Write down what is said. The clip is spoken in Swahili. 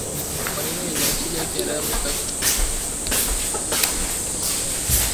maneno yenye asili ya Kiarabu kati ya thelathini Hadi asilimia arobaini